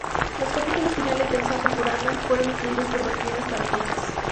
Los capítulos finales del "Samba-purana" fueron influidos por doctrinas tántricas.